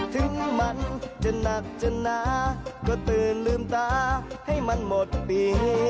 ถึงมันจะหนักจะหนาก็ตื่นลืมตาให้มันหมดปี